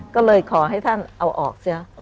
ก็เลยขอให้ท่านเอาออกซะ